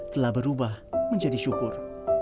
telah berubah menjadi syukur